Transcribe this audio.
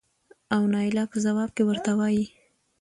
او نايله په ځواب کې ورته وايې